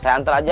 saya antar aja